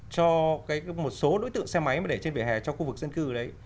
cho một số đối tượng xe máy mà để trên vỉa hè cho khu vực dân cư ở đấy